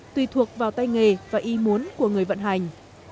tùy thuộc vào tay nghề và y muốn của người vận hành